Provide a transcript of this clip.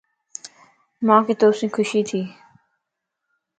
مانک تو سين خوشي ٿي